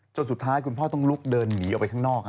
สุดท้ายคุณพ่อต้องลุกเดินหนีออกไปข้างนอก